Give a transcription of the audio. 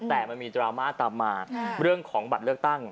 แต่มันมีดราม่าตามมาเรื่องของบัตรเลือกตั้ง